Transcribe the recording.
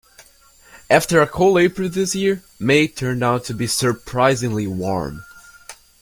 After a cool April this year, May turned out to be surprisingly warm